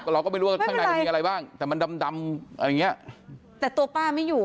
เราก็ไม่รู้ว่าข้างในมันมีอะไรบ้างแต่มันดำดำอะไรอย่างเงี้ยแต่ตัวป้าไม่อยู่